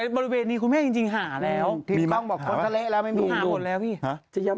ตรงนี้บอกวะ